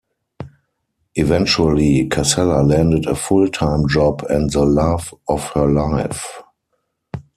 Eventually, Cassella landed a full-time job and the love of her life.